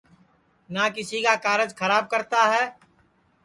نہ کیسی کا کارج کھراب کرتا ہے